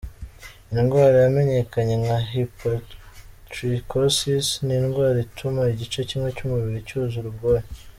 indwara yamenyekanye nka hypertrichosis, ni indwara ituma igice kimwe cy’umubiri cyuzura ubwoya.